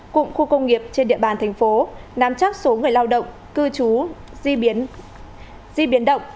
cụm khu công nghiệp trên địa bàn thành phố nám chắc số người lao động cư trú di biến